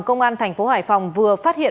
công an thành phố hải phòng vừa phát hiện